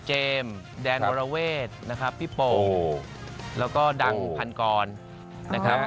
แดนวรเวทนะครับพี่โปแล้วก็ดังพันกรนะครับ